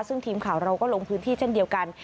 ซึ่งทีมข่าวเราก็ลงพื้นที่เช่นเดียวกัน